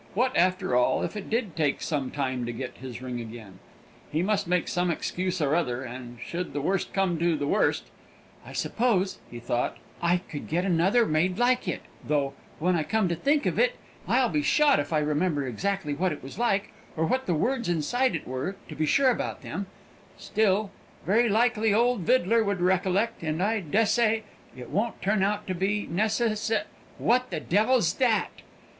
What, after all, if it did take some time to get his ring again? He must make some excuse or other; and, should the worst come to the worst, "I suppose," he thought, "I could get another made like it though, when I come to think of it, I'll be shot if I remember exactly what it was like, or what the words inside it were, to be sure about them; still, very likely old Vidler would recollect, and I dessay it won't turn out to be necessa What the devil's that?"